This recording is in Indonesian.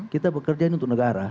kita bekerja untuk negara